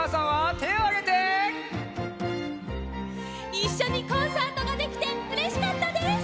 いっしょにコンサートができてうれしかったです！